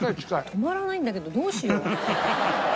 止まらないんだけどどうしよう？